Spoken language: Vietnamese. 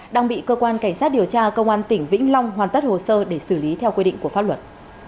đang bị cơ quan cảnh sát điều tra công an tỉnh vĩnh long hoàn tất hồ sơ để xử lý theo quy định của pháp luật